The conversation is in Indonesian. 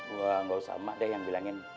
gua gak usah mak deh yang bilangin